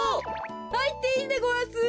はいっていいでごわす。